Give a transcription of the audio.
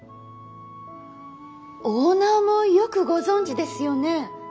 オーナーもよくご存じですよね。